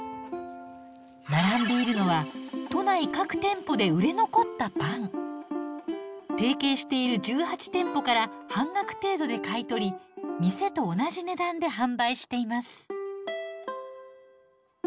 並んでいるのは都内提携している１８店舗から半額程度で買い取り店と同じ値段で販売しています。